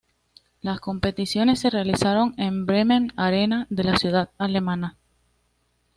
Las competiciones se realizaron en la Bremen Arena de la ciudad alemana.